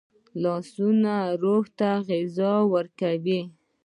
لاسونه روح ته غذا ورکوي